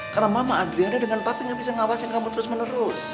karena mama adriana dengan papi gak bisa ngawasin kamu terus menerus